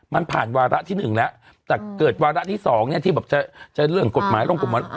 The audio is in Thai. มันผ่านวาระที่๑แล้วแต่เกิดวาระที่สองเนี่ยที่แบบจะเรื่องกฎหมายลงกฎหมาย